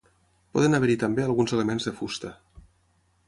Poden haver-hi també alguns elements de fusta.